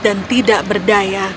dan tidak berdaya